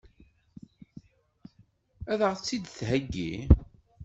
Ad ɣ-tt-id-theggi?